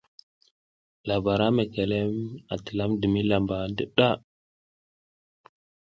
Labara mekeme a tilamdimi lamba ndiɗa.